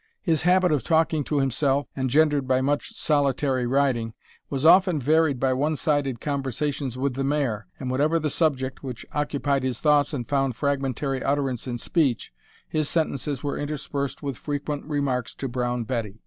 His habit of talking to himself, engendered by much solitary riding, was often varied by one sided conversations with the mare, and whatever the subject which occupied his thoughts and found fragmentary utterance in speech, his sentences were interspersed with frequent remarks to Brown Betty.